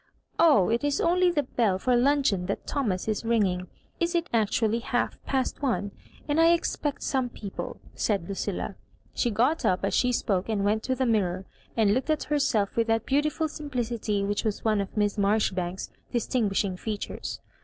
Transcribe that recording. Oh, it is only the bell for luBcbeoti that Thomas is ringing. Is it actually half past one? and I ex pect some ffeople," said Lucilla*. She got up as she E^ke and went to the mirror, and looked at herself with that beautiful simplicity which was one of Miss Marjoribanks's distinguishing fea tures.